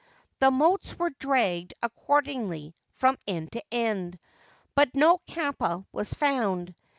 The moats were dragged accordingly from end to end ; but no kappa was found.